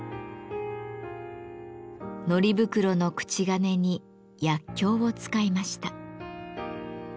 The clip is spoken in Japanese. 糊袋の口金に薬莢を使いました。